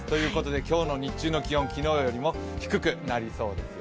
今日の日中の気温、昨日よりも低くなりそうですよ。